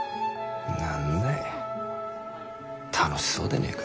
何だい楽しそうでねぇか。